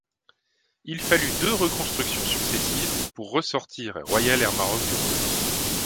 Il a fallu deux restructurations successives pour ressortir Royal Air Maroc du rouge.